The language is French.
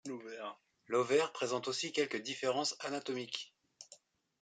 L'ovaire présente aussi quelques différences anatomiques.